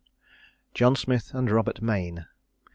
JOHN SMITH AND ROBERT MAYNE.